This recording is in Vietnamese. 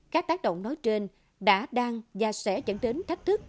các tác động nói trên đã đang và sẽ dẫn đến thách thức